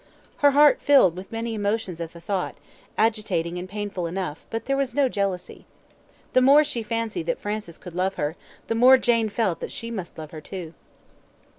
Her heart filled with many emotions at the thought, agitating and painful enough, but there was no jealousy. The more she fancied that Francis could love her, the more Jane felt that she must love her too.